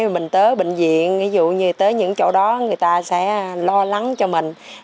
mình tới bệnh viện ví dụ như tới những chỗ đó người ta sẽ lo lắng cho mình